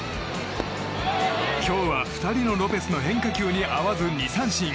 今日は２人のロペスの変化球に合わず２三振。